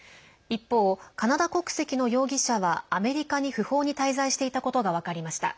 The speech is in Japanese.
一方、カナダ国籍の容疑者はアメリカに不法に滞在していたことが分かりました。